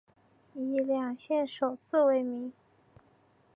以两县首字为名。